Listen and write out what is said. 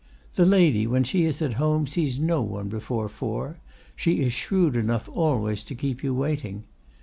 "The lady, when she is at home, sees no one before four; she is shrewd enough always to keep you waiting.